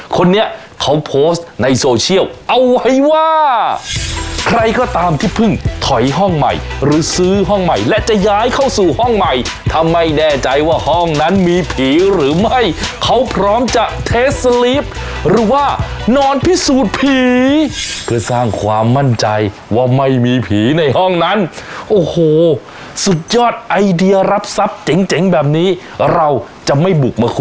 คนนี้เขาโพสต์ในโซเชียลเอาไว้ว่าใครก็ตามที่เพิ่งถอยห้องใหม่หรือซื้อห้องใหม่และจะย้ายเข้าสู่ห้องใหม่ถ้าไม่แน่ใจว่าห้องนั้นมีผีหรือไม่เขาพร้อมจะเทสสลีฟหรือว่านอนพิสูจน์ผีเพื่อสร้างความมั่นใจว่าไม่มีผีในห้องนั้นโอ้โหสุดยอดไอเดียรับทรัพย์เจ๋งเจ๋งแบบนี้เราจะไม่บุกมาค